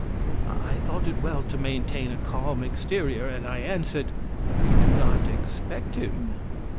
I thought it well to maintain a calm exterior, and I answered: "We do not expect him."